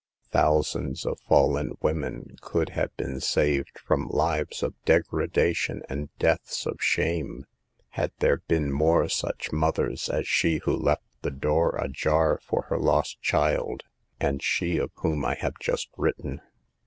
Thousands of fallen women could have been saved from lives of degradation and deaths of shame had there been more such mothers as she who left the door ajar for her I 130 SAVE THE GIRLS. lost child, and she of whom I have just writ ten.